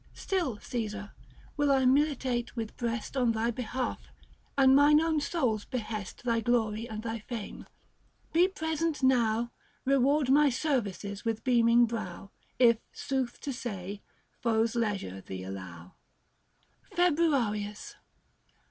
Still Caesar, will I militate with breast On thy behalf — and mine own soul's behest Thy glory and thy fame : Be present now, Reward my services with beaming brow. If, sooth to say, foes leisure thee allow. FEBEUARIUS.